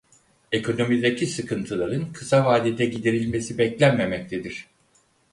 Ekonomideki sıkıntıların kısa vadede giderilmesi beklenmemektedir.